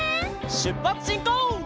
しゅっぱつしんこう！